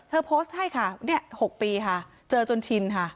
โพสต์ให้ค่ะ๖ปีค่ะเจอจนชินค่ะ